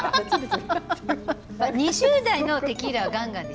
２０代のテキーラはガンガンでしたよ